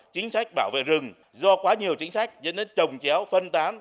chính trách bảo vệ rừng do quá nhiều chính trách dẫn đến trồng chéo phân tán